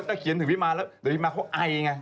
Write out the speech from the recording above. แต่โอ๊ยกูโป้แตกมันแบบว่าใส่ยับ